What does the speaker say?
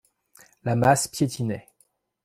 La masse piétinait.